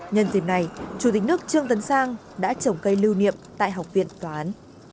nhân dịp này chủ tịch nước trương tấn sang đã trồng cây lưu niệm tại học viện tòa án